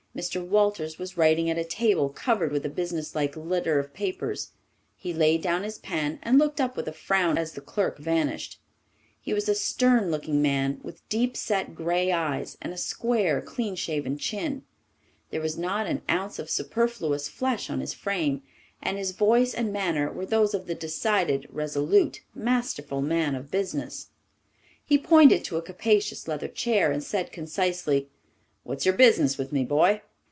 Mr. Walters was writing at a table covered with a businesslike litter of papers. He laid down his pen and looked up with a frown as the clerk vanished. He was a stern looking man with deep set grey eyes and a square, clean shaven chin. There was not an ounce of superfluous flesh on his frame, and his voice and manner were those of the decided, resolute, masterful man of business. He pointed to a capacious leather chair and said concisely, "What is your business with me, boy?"